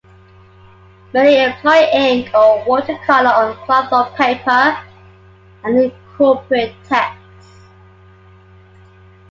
Many employ ink or watercolor on cloth or paper, and incorporate text.